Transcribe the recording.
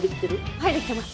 はいできてます。